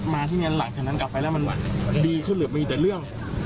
ที่นี่หลังจากนั้นกลับไปแล้วมันดีขึ้นหรือมีแต่เรื่อง